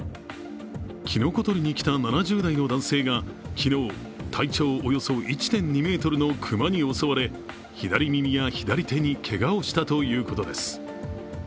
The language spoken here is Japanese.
きのことりに来た７０代の男性が昨日、体長およそ１．２ｍの熊に襲われ左耳や左手にけがをしたということです。